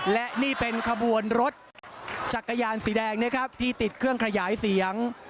และนี่เป็นขบวนรถจักรยานสีแดงนะครับที่ติดเครื่องขยายเสียง